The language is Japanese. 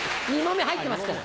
目入ってますから。